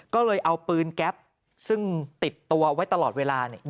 ก็เลยเอาปืนแก๊ปซึ่งติดตัวไว้ตลอดเวลาเนี่ย